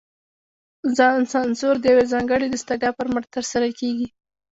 ځان سانسور د یوې ځانګړې دستګاه پر مټ ترسره کېږي.